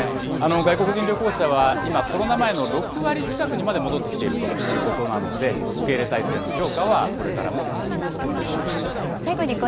外国人旅行者は今、コロナ前の６割近くにまで戻ってきているということなので、受け入れ体制の強化はこれからも進みそうです。